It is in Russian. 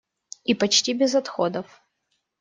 И почти без отходов.